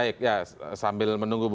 saya udah nyampe sebentar